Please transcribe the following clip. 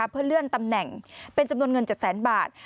เพื่อเลื่อนตำแหน่งเป็นจำนวนเงิน๗แสนบาท